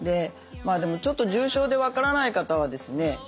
でもちょっと重症で分からない方はですね